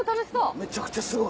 めちゃくちゃすごい。